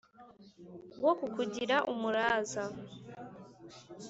wo kukugira umuraza